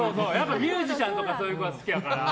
ミュージシャンとかがそういう子は好きやから。